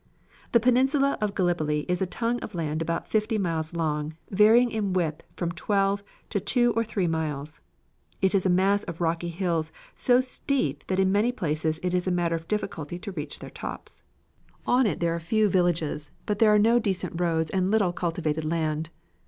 The Peninsula of Gallipoli is a tongue of land about fifty miles long, varying in width from twelve to two or three miles. It is a mass of rocky hills so steep that in many places it is a matter of difficulty to reach their tops. On it are a few villages, but there are no decent roads and little cultivated land.